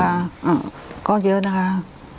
อื้มก็เยอะนะคะ